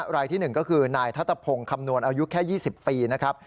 รายที่๑ก็คือนายทัศพงศ์คำนวณอายุแค่๒๐ปีนะครับ